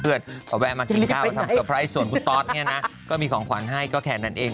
ขอแวะมากินข้าวมาทำเตอร์ไพรส์ส่วนคุณตอสเนี่ยนะก็มีของขวัญให้ก็แค่นั้นเอง